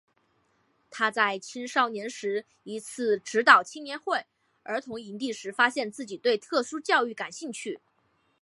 他在青少年时一次指导青年会儿童营地时发现自己对特殊教育感兴趣。